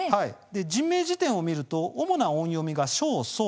人名辞典を見ると主な音読みがショウ、ソウ。